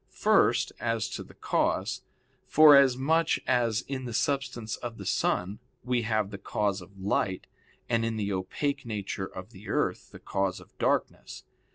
First, as to the cause, forasmuch as in the substance of the sun we have the cause of light, and in the opaque nature of the earth the cause of darkness.